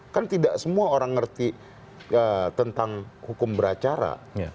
kan tidak semua orang ngerti tentang hukum beracara